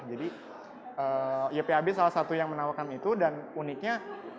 jadi ypab salah satu yang menawarkan itu dan uniknya